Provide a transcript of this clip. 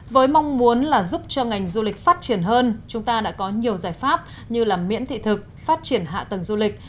với mong muốn là giúp cho ngành du lịch phát triển hơn chúng ta đã có nhiều giải pháp như miễn thị thực phát triển hạ tầng du lịch